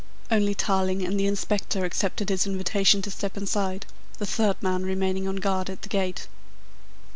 Only Tarling and the Inspector accepted his invitation to step inside, the third man remaining on guard at the gate.